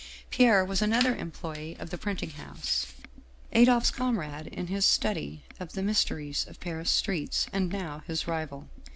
Pierre was another employee of the 262 Otto Larssen printing house, Adolphe's comrade in his study of the mys teries of Paris streets, and now his rival.